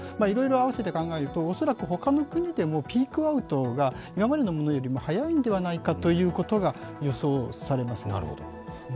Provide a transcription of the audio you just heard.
いろいろ合わせて考えると恐らくほかの国でもピークアウトが今までのものよりも早いのではないかと予想されます。